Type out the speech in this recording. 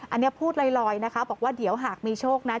อันนี้พูดลอยนะคะบอกว่าเดี๋ยวหากมีโชคนะ